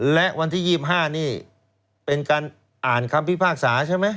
และวันที่๒๕นี่เป็นการอ่านคำพิพากษาใช่ไหม